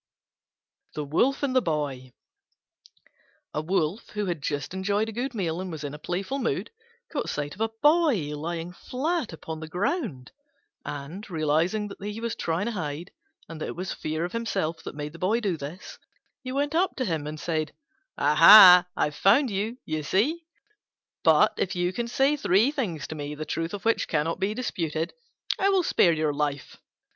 THE WOLF AND THE BOY A Wolf, who had just enjoyed a good meal and was in a playful mood, caught sight of a Boy lying flat upon the ground, and, realising that he was trying to hide, and that it was fear of himself that made him do this, he went up to him and said, "Aha, I've found you, you see; but if you can say three things to me, the truth of which cannot be disputed, I will spare your life."